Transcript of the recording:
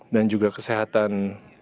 dan juga kesehatan